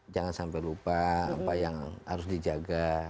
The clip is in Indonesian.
jangan sampai lupa apa yang harus dijaga